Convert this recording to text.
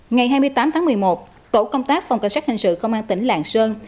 ngày hai mươi tám tháng một mươi một tổ công tác phòng cảnh sát hình sự công an tỉnh lạng sơn